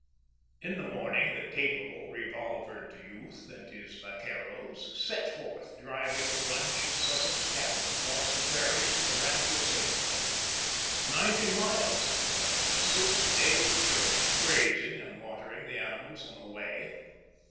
In the morning the capable, revolvered youth and his vaqueros set forth, driving the bunch of Sussex cattle across the prairies to the Rancho Seco. Ninety miles it was; a six days' journey, grazing and watering the animals on the way.